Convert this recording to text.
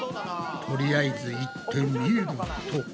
とりあえず行ってみると。